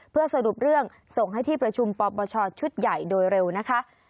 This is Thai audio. เพื่อสรุปเรื่องส่งให้ที่ประชุมปปชชุดใหญ่โดยเร็วนะคะ